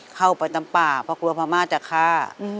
เข้าไปตามป่าเพราะกลัวพม่าจะฆ่า